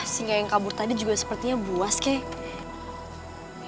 sehingga yang kabur tadi juga sepertinya buas kek